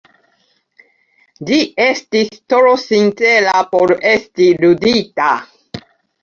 Ĝi estis tro sincera por esti ludita.